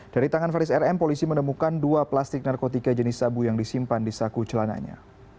dari tangan faris rm polisi menemukan dua plastik narkotika jenis sabu yang disimpan di saku celananya